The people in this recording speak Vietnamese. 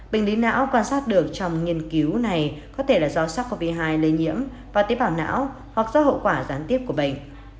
bệnh lý não quan sát được trong nghiên cứu này có thể là do sars cov hai lây nhiễm và tế bào não hoặc do hậu quả gián tiếp của bệnh